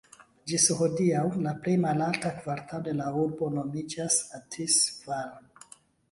Ĝis hodiaŭ, la plej malalta kvartalo de la urbo nomiĝas "Athis-Val".